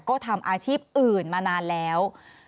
ก็ทำอาชีพอื่นมานานแล้ว